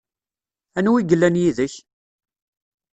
Anwa i yellan yid-k?